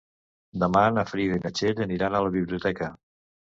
Demà na Frida i na Txell aniran a la biblioteca.